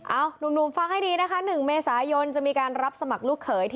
โนะหนูฟังให้ดีนะครับ๑เมษายนตร์จะมีการรับสมัครลูกเขย